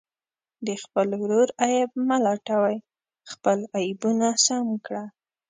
د خپل ورور عیب مه لټوئ، خپل عیبونه سم کړه.